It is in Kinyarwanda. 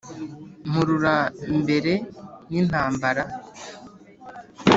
mpurura mbere n'impambara